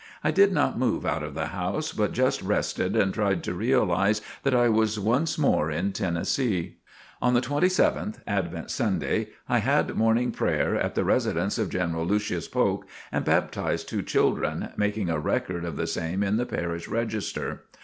I did not move out of the house but just rested and tried to realize that I was once more in Tennessee. On the 27th, Advent Sunday, I had Morning Prayer at the residence of General Lucius Polk, and baptized two children, making a record of the same in the Parish Register.